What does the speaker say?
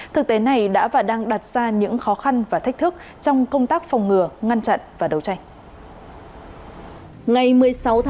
thực tế này đã và đang đặt ra những khó khăn và thách thức trong công tác phòng ngừa ngăn chặn và đấu tranh